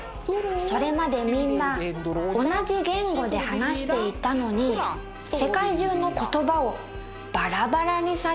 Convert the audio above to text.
それまでみんな同じ言語で話していたのに世界中の言葉をバラバラにされてしまったんだそうです。